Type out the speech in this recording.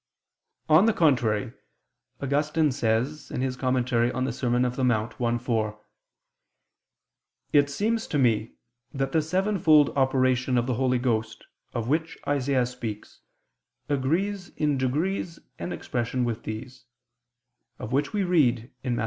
On the contrary, Augustine says [*De Serm. Dom. in Monte i, 4]: "It seems to me that the sevenfold operation of the Holy Ghost, of which Isaias speaks, agrees in degrees and expression with these" (of which we read in Matt.